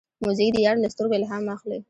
موزیک د یار له سترګو الهام اخلي.